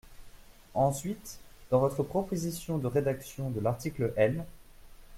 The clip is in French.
Ensuite, dans votre proposition de rédaction de l’article L.